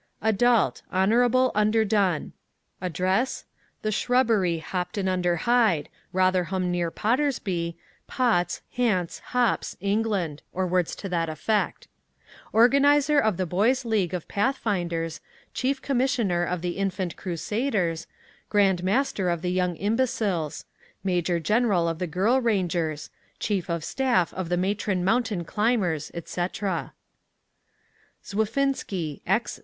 Adult, Hon. Underdone: address The Shrubbery, Hopton under Hyde, Rotherham near Pottersby, Potts, Hants, Hops, England (or words to that effect); organizer of the Boys' League of Pathfinders, Chief Commissioner of the Infant Crusaders, Grand Master of the Young Imbeciles; Major General of the Girl Rangers, Chief of Staff of the Matron Mountain Climbers, etc. Zfwinski, X.